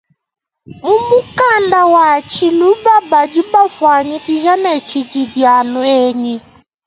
Mu mukanda wa tshiluba badi bamufuanyikishe ne tshidibialuenyi.